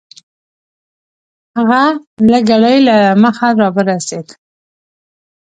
هغه لږ ګړی له مخه راورسېد .